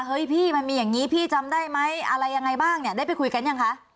เฮ้ยพี่มันมีอย่างนี้พี่จำได้ไหมอะไรยังไงบ้างเนี่ยได้ไปคุยกันยังคะ